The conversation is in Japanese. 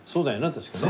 確かね。